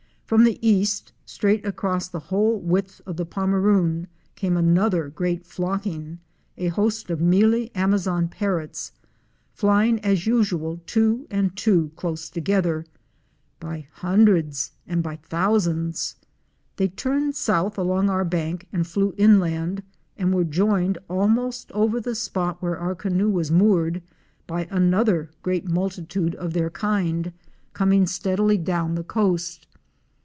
From the east, straight across the whole width of the Pomeroon came another great flocking, a host of Mealy Amazon Parrots® flying as usual two and two close to gether —by hundreds and by thousands. They turned south along our bank and flew inland, and were joined, almost over the spot where our canoe was moored, by another great multitude of their kind, coming steadily down THROUGH THE COASTAL WILDERNESS. 235 the coast.